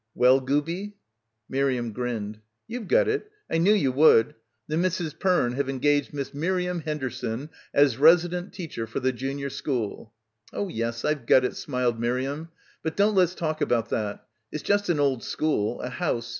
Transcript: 'Well, gooby?" Miriam grinned. "You've got it. I knew you would. The Misses Perne have engaged Miss Miriam Hender son as resident teacher for the junior school." "Oh yes, I've got it," smiled Miriam. "But don't let's talk about that. It's just an old school, a house.